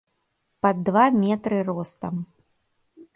Пад два метры ростам.